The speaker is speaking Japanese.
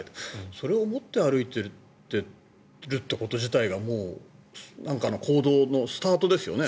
それを持って歩いているってこと自体がなんか行動のスタートですよね